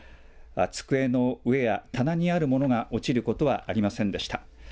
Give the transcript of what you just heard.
机の上や棚にあるものが落ちることはありませんでした。